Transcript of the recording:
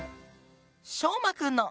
しょうまくんの。